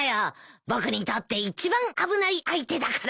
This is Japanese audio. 僕にとって一番危ない相手だからね。